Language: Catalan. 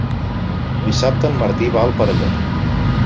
Dissabte en Martí va al Perelló.